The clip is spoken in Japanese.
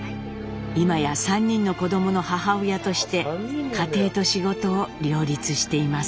今や３人の子どもの母親として家庭と仕事を両立しています。